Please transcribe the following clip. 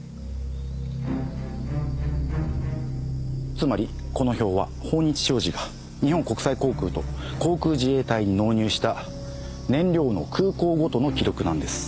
つまりこの表は豊日商事が日本国際航空と航空自衛隊に納入した燃料の空港ごとの記録なんです。